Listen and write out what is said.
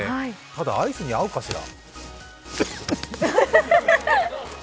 ただ、アイスに合うかしら。